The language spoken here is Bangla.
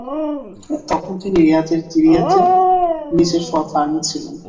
তখন তিনি রিয়াদের দিরিয়াতে নিজের ফার্মে ছিলেন।